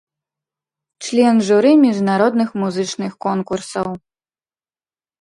Член журы міжнародных музычных конкурсаў.